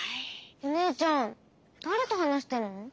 お姉ちゃんだれと話してるの？